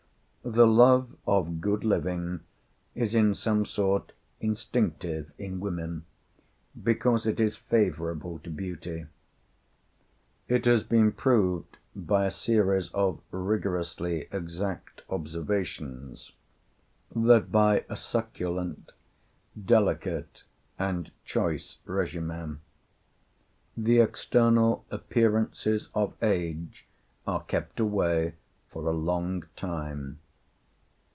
The love of good living is in some sort instinctive in women, because it is favorable to beauty. It has been proved, by a series of rigorously exact observations, that by a succulent, delicate, and choice regimen, the external appearances of age are kept away for a long time.